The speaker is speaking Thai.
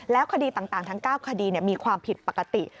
คดีต่างทั้ง๙คดีมีความผิดปกติ